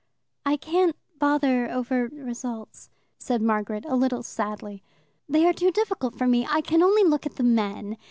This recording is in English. "I can't bother over results," said Margaret, a little sadly. "They are too difficult for me. I can only look at the men.